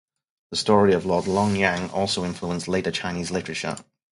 The story of Lord Lonyang also influenced later Chinese literature.